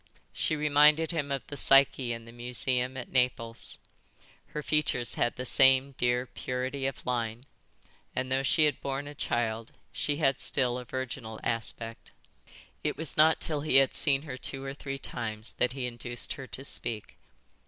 She reminded him of the Psyche in the museum at Naples. Her features had the same dear purity of line, and though she had borne a child she had still a virginal aspect. It was not till he had seen her two or three times that he induced her to speak.